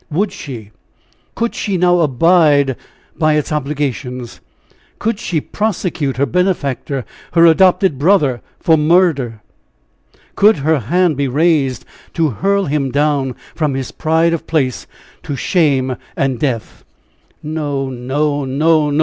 Would she could she now abide by its obligations? Could she prosecute her benefactor, her adopted brother, for murder? Could her hand be raised to hurl him down from his pride of place to shame and death? No, no, no, no!